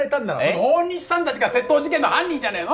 大西さん達が窃盗事件の犯人じゃねえの！？